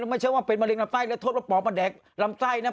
ไม่ใช่ว่าเป็นมะเร็งลำไส้แล้วโทษว่าปอกมาแดกลำไส้นะ